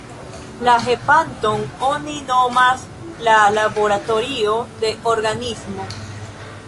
La hepaton oni nomas la laboratorio de organismo.